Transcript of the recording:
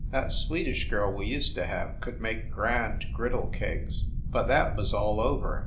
That Swedish girl we used to have could made grand griddle cakes but that was all over!